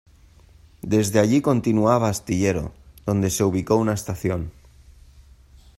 Desde allí continuaba a Astillero, donde se ubicó una estación.